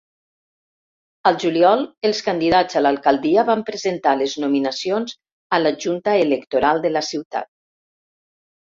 Al juliol, els candidats a l'alcaldia van presentar les nominacions a la Junta Electoral de la ciutat.